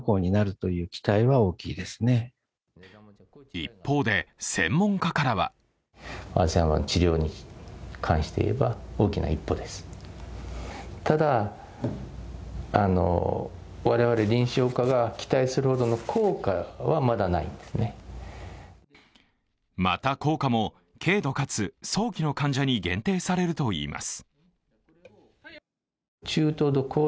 一方で専門家からはまた、効果も軽度かつ早期の患者に限定されるといいます。